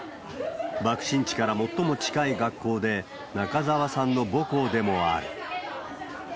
爆心地から最も近い学校で、中沢さんの母校でもある。